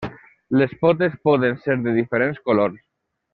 Les potes poden ser de diferents colors.